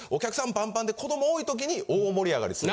パンパンで子ども多いときに大盛り上がりする。